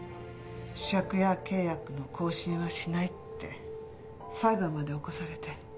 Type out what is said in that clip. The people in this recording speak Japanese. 借家契約の更新はしないって裁判まで起こされて。